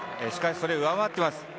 それを上回っています。